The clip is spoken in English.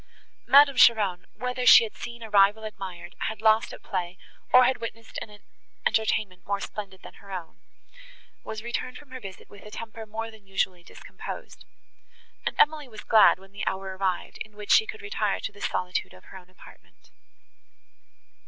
Madame Cheron, whether she had seen a rival admired, had lost at play, or had witnessed an entertainment more splendid than her own, was returned from her visit with a temper more than usually discomposed; and Emily was glad, when the hour arrived, in which she could retire to the solitude of her own apartment.